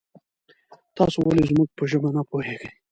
تاسو ولې زمونږ په ژبه نه پوهیږي؟